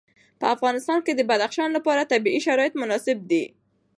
په افغانستان کې د بدخشان لپاره طبیعي شرایط مناسب دي.